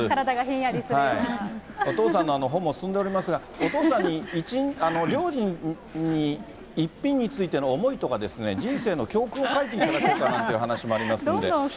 お父さんの本も進んでおりますが、お父さんに料理に一品についての思いとかですね、人生の教訓を書いていただこうかなという話もありますんで。